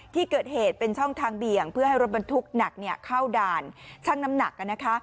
ที่เกิดเหตุเป็นช่องทางเบี่ยงเพื่อให้รถบรรทุกหนักเข้าด่านช่างน้ำหนัก